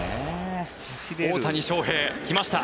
大谷翔平、来ました。